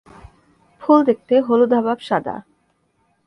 ফুল দেখতে হলুদাভ সাদা।